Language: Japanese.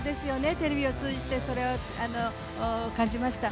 テレビを通じて、それを感じました